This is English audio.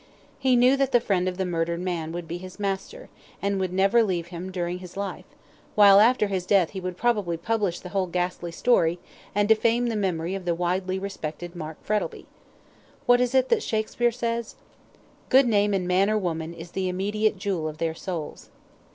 He knew that the friend of the murdered man would be his master, and would never leave him during his life, while after his death he would probably publish the whole ghastly story, and defame the memory of the widely respected Mark Frettlby. What is it that Shakespeare says? "Good name in man or woman Is the immediate jewel of their souls."